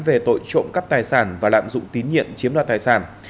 về tội trộm cắp tài sản và lạm dụng tín nhiện chiếm lọt tài sản